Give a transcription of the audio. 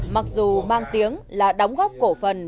mặc dù mang tiếng là đóng góp cổ phần